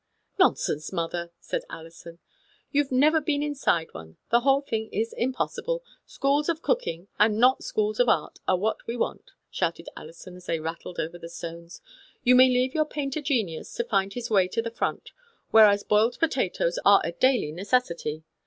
" Nonsense, mother," said Alison. " You Ve never been inside one. The whole thing is impossible. Schools of cooking, and not schools of art, are what we want," shouted Alison, as they rattled over the stones. " You may leave your painter genius to find his way to the front, whereas boiled potatoes are a daily necessity.